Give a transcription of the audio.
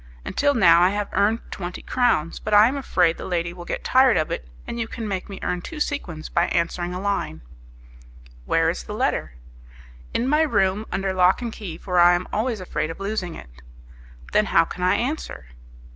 Until now I have earned twenty crowns, but I am afraid the lady will get tired of it, and you can make me earn two sequins by answering a line." "Where is the letter?" "In my room under lock and key, for I am always afraid of losing it." "Then how can I answer?"